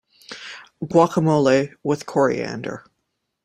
Guacamole with coriander.